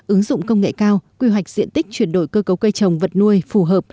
ứng dụng công nghệ cao quy hoạch diện tích chuyển đổi cơ cấu cây trồng vật nuôi phù hợp